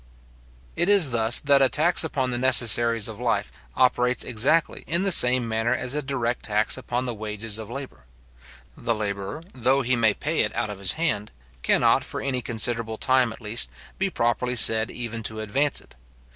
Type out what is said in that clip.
It is thus that a tax upon the necessaries of life operates exactly in the same manner as a direct tax upon the wages of labour. The labourer, though he may pay it out of his hand, cannot, for any considerable time at least, be properly said even to advance it.